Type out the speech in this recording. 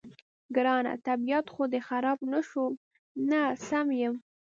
ګرانه، طبیعت خو دې خراب نه شو؟ نه، سم یم.